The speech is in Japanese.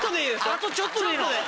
あとちょっとでいいの。